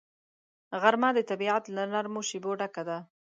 غرمه د طبیعت له نرمو شیبو ډکه ده